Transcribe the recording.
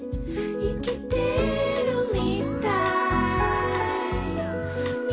「いきてるみたい」